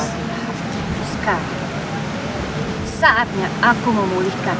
sekarang saatnya aku memulihkanmu